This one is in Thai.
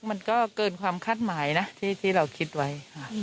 มันก็เกินความคาดหมายนะที่เราคิดไว้ค่ะ